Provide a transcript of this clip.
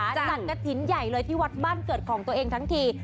จัดกระถิ่นใหญ่เลยที่วัดบ้านเกิดของตัวเองทั้งที